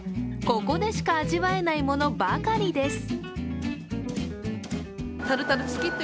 ここでしか味わえないものばかりです。